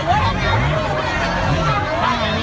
ก็ไม่มีเวลาให้กลับมาเท่าไหร่